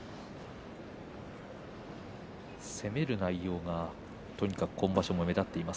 攻める内容が今場所も目立っています。